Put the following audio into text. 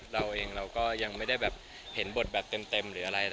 เรายังไม่ได้เห็นบทแบบเต็ม